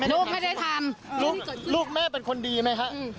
ลูกไม่ได้ทำลูกแม่เป็นคนดีไหมฮะ